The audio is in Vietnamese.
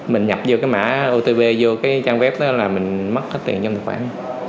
mình nhập vô cái mã otp vô cái trang web đó là mình mất hết tiền trong tài khoản